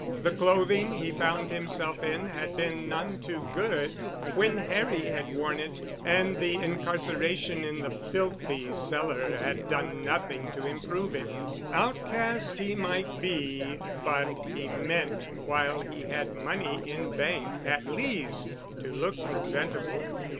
The clothing he found himself in had been none too good when Harry had worn it, and the incarceration in the filthy cellar had done nothing to improve it. Outcast he might be, but he meant while he had money in bank at least to look presentable.